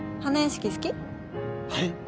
はい？